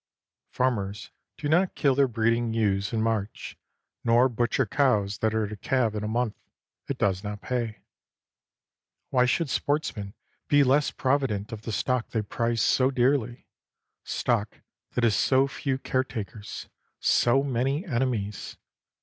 Farmers do not kill their breeding ewes in March, nor butcher cows that are to calve in a month; it does not pay. Why should sportsmen be less provident of the stock they prize so dearly; stock that has so few care takers, so many enemies?